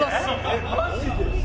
えっマジで？